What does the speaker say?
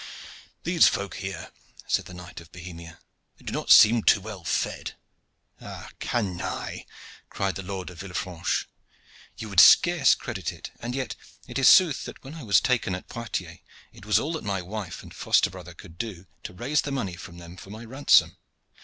"These folk here," said the knight of Bohemia, "they do not seem too well fed." "Ah, canaille!" cried the Lord of Villefranche. "You would scarce credit it, and yet it is sooth that when I was taken at Poictiers it was all that my wife and foster brother could do to raise the money from them for my ransom.